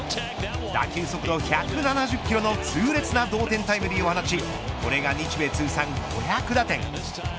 打球速度１７０キロの痛烈な同点タイムリーを放ちこれが日米通算５００打点。